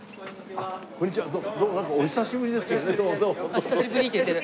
「お久しぶり」って言ってる。